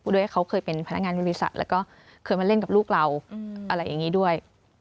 ด้วยเขาเคยเป็นพนักงานบริษัทแล้วก็เคยมาเล่นกับลูกเราอะไรอย่างนี้ด้วย